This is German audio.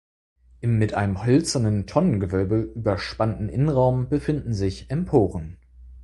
Im mit einem hölzernen Tonnengewölbe überspannten Innenraum befinden sich Emporen.